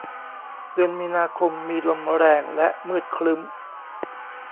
เดือนมีนาคมมีลมแรงและมืดครึ้ม